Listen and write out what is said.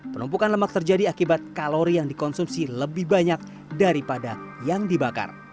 penumpukan lemak terjadi akibat kalori yang dikonsumsi lebih banyak daripada yang dibakar